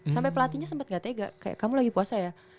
sampai pelatihnya sempat gak tega kayak kamu lagi puasa ya